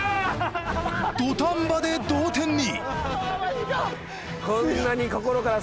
土壇場で同点に！